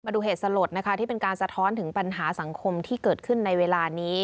ดูเหตุสลดนะคะที่เป็นการสะท้อนถึงปัญหาสังคมที่เกิดขึ้นในเวลานี้